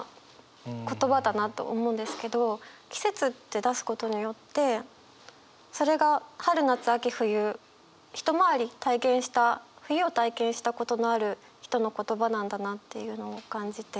「季節」って出すことによってそれが春夏秋冬一回り体験した冬を体験したことのある人の言葉なんだなっていうのを感じて。